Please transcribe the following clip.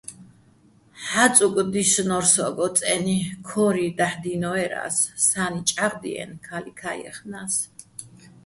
ჰ̦ა́წუკ დისნო́რ სო́გო წე́ნი, ქო́რი დაჰ̦ დინოერა́ს, სა́ნი ჭაღდიენო̆, ქა́ლიქა́ ჲეხნა́ს.